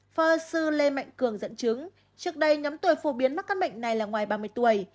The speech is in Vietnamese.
phó sư lê mạnh cường dẫn chứng trước đây nhóm tuổi phổ biến mắc các bệnh này là ngoài ba mươi tuổi